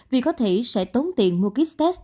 vì có thể sẽ tốn tiền mua kiếp test